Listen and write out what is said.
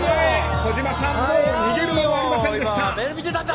児嶋さん逃げる間もありませんでした。